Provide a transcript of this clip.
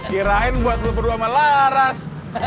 kirain buat lu berdua sama laras